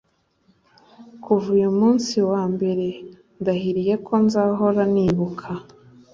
kuva uyu munsi wa mbere, ndahiriye ko nzahora nibuka